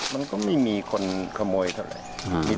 มันก็ไม่มีคนขโมยเท่าไหร่